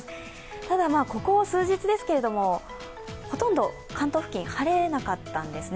ただ、ここ数日ですけれども、ほとんど関東付近晴れなかったんですね。